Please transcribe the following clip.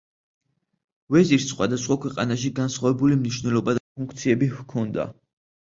ვეზირს სხვადასხვა ქვეყანაში განსხვავებული მნიშვნელობა და ფუნქციები ჰქონდა.